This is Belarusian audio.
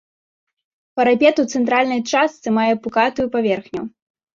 Парапет у цэнтральнай частцы мае пукатую паверхню.